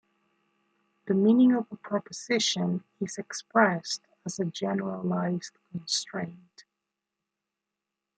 The meaning of a proposition is expressed as a generalised constraint.